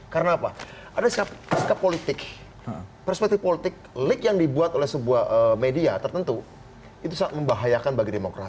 karena apa ada sikap politik perspektif politik leak yang dibuat oleh sebuah media tertentu itu sangat membahayakan negara